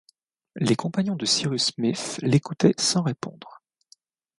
Les compagnons de Cyrus Smith l’écoutaient sans répondre.